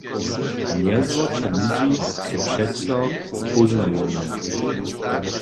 Mjezwoča ludźi su přeco spóznajomne.